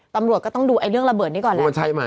ตำรวจก็ต้องดูไอ้เรื่องระเบิดนี้ก่อนแหละ